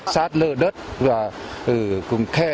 sạt lở đất và cũng kheo